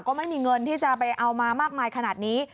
ก็ไม่มีเงินที่จะไปเอามามากมายขนาดนี้